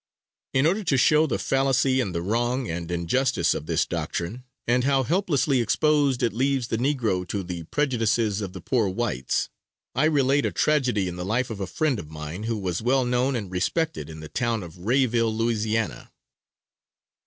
In order to show the fallacy and the wrong and injustice of this doctrine, and how helplessly exposed it leaves the negro to the prejudices of the poor whites, I relate a tragedy in the life of a friend of mine, who was well known and respected in the town of Rayville, Louisiana.